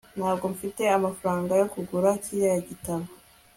ntabwo mfite amafaranga yo kugura kiriya gitabo